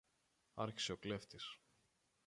άρχισε ο κλέφτης.